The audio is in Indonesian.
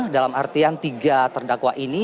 dalam artian tiga terdakwa ini